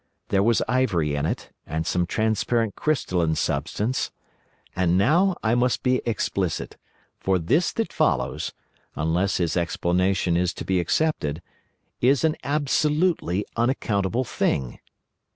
There was ivory in it, and some transparent crystalline substance. And now I must be explicit, for this that follows—unless his explanation is to be accepted—is an absolutely unaccountable thing.